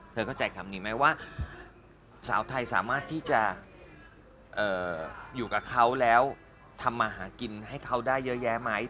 เข้าใจคำนี้ไหมว่าสาวไทยสามารถที่จะอยู่กับเขาแล้วทำมาหากินให้เขาได้เยอะแยะไหม